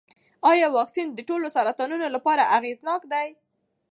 ایا واکسین د ټولو سرطانونو لپاره اغېزناک دی؟